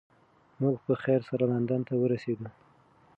موږ په خیر سره لندن ته ورسیدو.